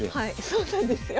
そうなんですよ。